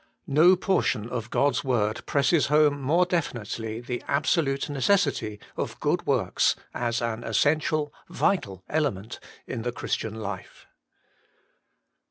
No portion of God's work presses home more definitely the absolute necessity of good works as an essential, vital element in the Christian life.